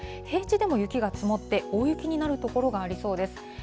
平地でも雪が積もって、大雪になる所がありそうです。